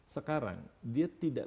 sekarang dia tidak